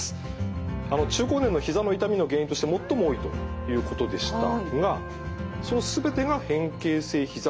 中高年のひざの痛みの原因として最も多いということでしたがその全てが変形性ひざ